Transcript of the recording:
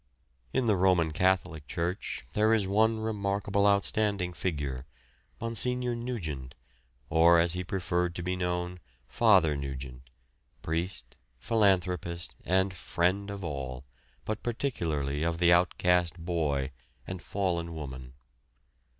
In the Roman Catholic church there is one remarkable outstanding figure, Monsignor Nugent, or as he preferred to be known, Father Nugent: priest, philanthropist, and friend of all, but particularly of the outcast boy and fallen woman.